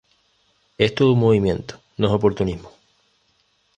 Es todo un movimiento, no es oportunismo.